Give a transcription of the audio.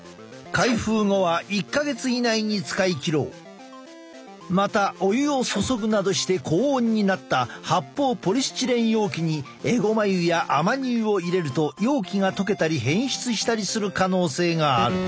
オメガ３はまたお湯を注ぐなどして高温になった発泡ポリスチレン容器にえごま油やアマニ油を入れると容器が溶けたり変質したりする可能性がある。